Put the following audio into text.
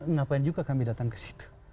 ngapain juga kami datang ke situ